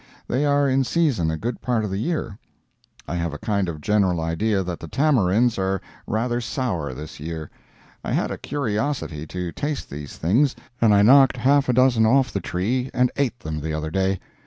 They are in season a good part of the year. I have a kind of a general idea that the tamarinds are rather sour this year. I had a curiosity to taste these things, and I knocked half a dozen off the tree and ate them the other day.